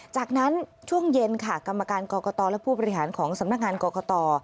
จากนั้นช่วงเย็นค่ะกรรมการกรกตและผู้บริหารของสำนักงานกรกต